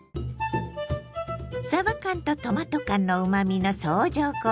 さば缶とトマト缶のうまみの相乗効果が最強！